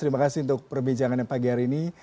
terima kasih untuk perbincangan yang pagi hari ini